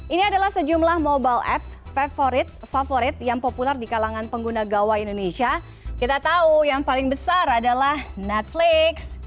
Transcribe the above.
ini adalah sejumlah mobile apps favorit favorit yang populer di kalangan pengguna gawai indonesia kita tahu yang paling besar adalah netflix